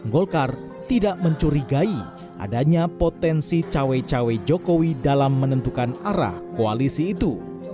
golkar tidak mencurigai adanya potensi cawe cawe jokowi dalam menentukan arah koalisi itu